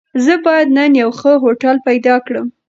زه بايد نن يو ښه هوټل پيدا کړم.